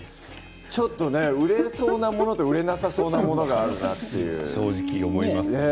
ちょっとね売れそうなものと売れなさそうな正直思います。